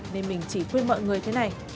nên mình chỉ khuyên mọi người thế này